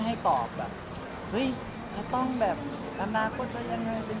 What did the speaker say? ให้ตอบแบบเฮ้ยจะต้องแบบอนาคตจะยังไง